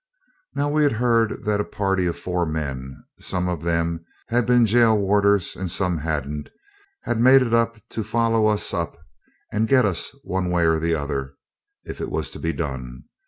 Now we'd heard that a party of four men some of them had been gaol warders and some hadn't had made it up to follow us up and get us one way or the other if it was to be done.